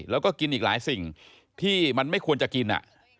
แล้วก็กินอีกหลายสิ่งที่มันไม่ควรจะกิน